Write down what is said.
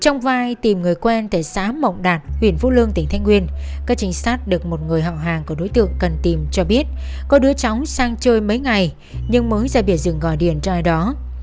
trong vai tìm người quen tại xã mộng đạt huyện phú lương tỉnh thanh nguyên các trinh sát được một người hậu hàng của đối tượng cần tìm cho biết có đứa chóng sang chơi mấy ngày nhưng mới ra biển rừng gọi điện cho ai đó